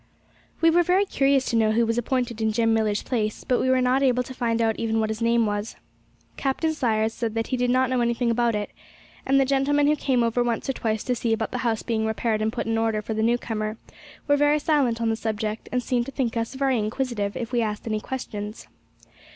We were very curious to know who was appointed in Jem Millar's place; but we were not able to find out even what his name was. Captain Sayers said that he did not know anything about it; and the gentlemen who came over once or twice to see about the house being repaired and put in order for the new comer were very silent on the subject, and seemed to think us very inquisitive if we asked any questions.